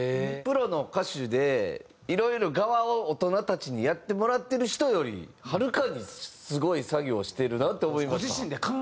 プロの歌手でいろいろ側を大人たちにやってもらってる人よりはるかにすごい作業をしているなって思いました。